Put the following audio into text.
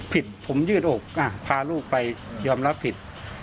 ผิดผมยืดอกพาลูกไปยอมรับผิด